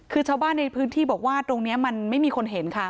คือชาวบ้านในพื้นที่บอกว่าตรงนี้มันไม่มีคนเห็นค่ะ